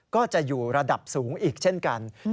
ก็จะอยู่ระดับสูงอีกเช่นกัน